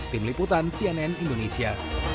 tim liputan cnn indonesia